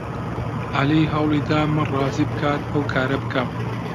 عەلی هەوڵی دا من ڕازی بکات ئەو کارە بکەم.